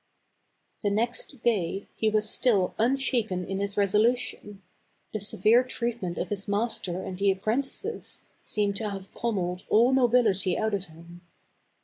The next day he was still unshaken in his resolution; the severe treatment of his master and the apprentices seemed to have pommeled all nobility out of him.